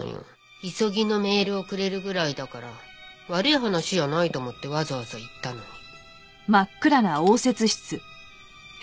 急ぎのメールをくれるぐらいだから悪い話じゃないと思ってわざわざ行ったのに。